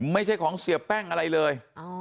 ไม่ใช่ของเสียแป้งอะไรเลย